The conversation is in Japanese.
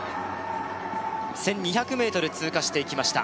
１２００ｍ通過していきました